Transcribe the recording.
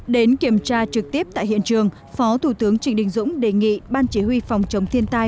đến kiểm tra trực tiếp tại hiện trường phó thủ tướng trịnh đình dũng đề nghị ban chỉ huy phòng chống thiên tai